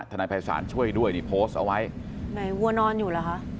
นายภัยศาลช่วยด้วยนี่โพสต์เอาไว้ไหนวัวนอนอยู่เหรอคะ